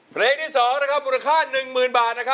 เพลงที่๒ครับปรุษฐา๑หมื่นบาท